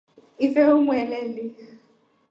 Ife umweleli.